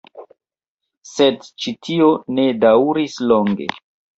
Sed ĉi tio ne daŭris longe.